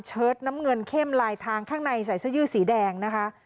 เชิดน้ำเงินเข้มลายทางข้างในใส่เสื้อยืดสีแดงนะคะ